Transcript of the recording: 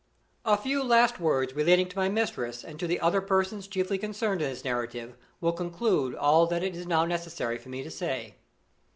A few last words relating to my mistress and to the other persons chiefly concerned in this narrative will conclude all that it is now necessary for me to say.